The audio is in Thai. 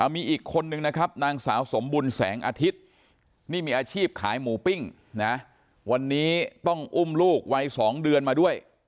มีอีกคนนึงนะครับนางสาวสมบุญแสงอาทิตย์นี่มีอาชีพขายหมูปิ้งนะวันนี้ต้องอุ้มลูกวัย๒เดือนมาด้วย